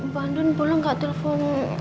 bandun boleh gak telepon